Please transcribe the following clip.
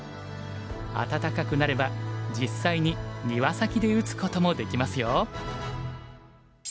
暖かくなれば実際に庭先で打つこともできますよ。